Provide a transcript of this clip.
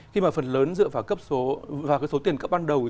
khi mà phần lớn dựa vào số tiền cấp ban đầu